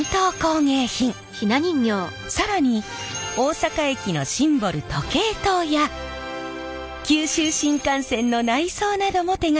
更に大阪駅のシンボル時計塔や九州新幹線の内装なども手がけているんです。